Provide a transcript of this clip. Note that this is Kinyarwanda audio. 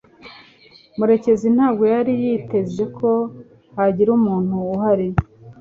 Murekezi ntabwo yari yiteze ko hagira umuntu uhari.